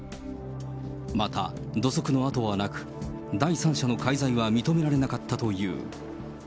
また、土足の跡はなく、第三者の介在は認められなかったという。